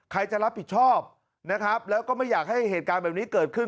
ใครจะรับผิดชอบนะครับแล้วก็ไม่อยากให้เหตุการณ์แบบนี้เกิดขึ้น